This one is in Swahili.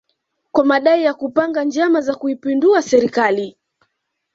kwa madai ya kupanga njama za kuipindua serikali